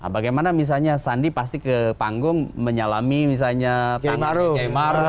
bagaimana misalnya sandi pasti ke panggung menyalami misalnya tangan kymar